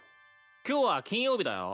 今日は金曜日だよ。